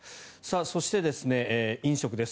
そして、飲食です。